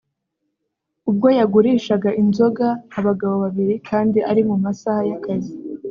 ubwo yagurishaga inzoga abagabo babiri kandi ari mu masaha y’akazi